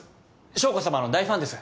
将子さまの大ファンです！